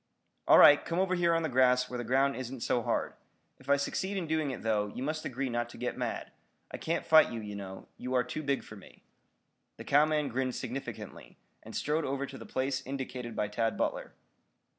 "All right, come over here on the grass where the ground isn't so hard. If I succeed in doing it, though, you must agree not to get mad. I can't fight you, you know. You are too big for me." The cowman grinned significantly, and strode over to the place indicated by Tad Butler.